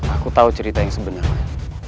aku tahu cerita yang sebenarnya